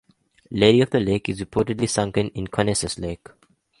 Lady of the Lake is reportedly sunken in Conesus Lake.